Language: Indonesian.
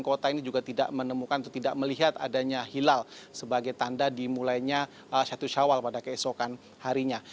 kota ini juga tidak menemukan atau tidak melihat adanya hilal sebagai tanda dimulainya satu syawal pada keesokan harinya